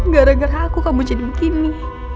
gara gara aku kamu jadi begini